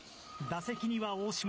打席には大島。